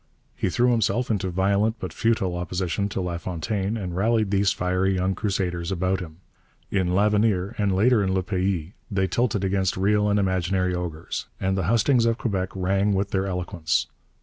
He threw himself into violent but futile opposition to LaFontaine and rallied these fiery young crusaders about him. In L'Avenir, and later in Le Pays, they tilted against real and imaginary ogres, and the hustings of Quebec rang with their eloquence.